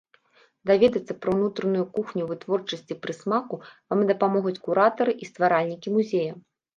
Даведацца пра ўнутраную кухню вытворчасці прысмаку вам дапамогуць куратары і стваральнікі музея.